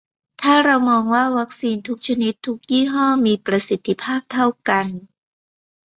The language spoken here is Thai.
ถ้าเรามองว่าวัคซีนทุกชนิดทุกยี่ห้อมีประสิทธิภาพเท่ากัน